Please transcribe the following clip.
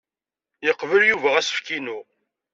Yeqbel Yuba asefk-inu.